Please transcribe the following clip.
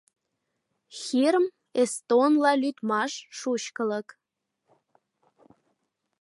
Хирм — эстонла лӱдмаш, шучкылык.